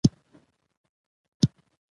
مېلې د کوچنيانو د ټولنیز ژوند مهمه برخه ده.